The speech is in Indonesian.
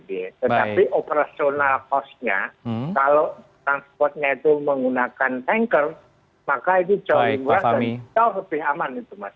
tetapi operasional cost nya kalau transportnya itu menggunakan tanker maka itu jauh lebih luas dan jauh lebih aman itu mas